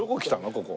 ここ。